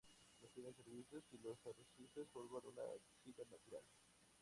No tiene servicios y los arrecifes forman una piscina natural.